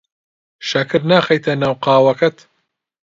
شەکر ناخەیتە ناو قاوەکەت.